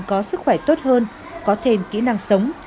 có sức khỏe tốt hơn có thêm kỹ năng sống